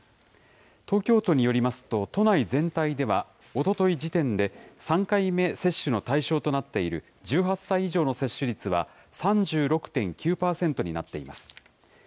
東京都によりますと、都内全体ではおととい時点で、３回目接種の対象となっている１８歳以上の接種率は３６．９％になっています。